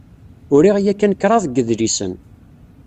Uriɣ yakan kraḍ n yidlisen.